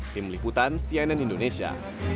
tim liputan cnn indonesia